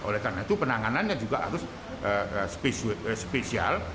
oleh karena itu penanganannya juga harus spesial